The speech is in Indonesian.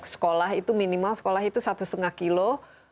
sekolah itu minimal sekolah itu satu lima kilo